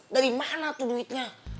dari mana tuh duitnya